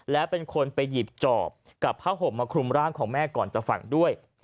และเป็นคนไปหยิบจอบกับผ้าห่มมาคลุมร่างของแม่ก่อนจะฝังด้วย